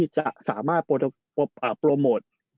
จะสามารถโปรโมท